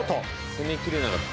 攻め切れなかった。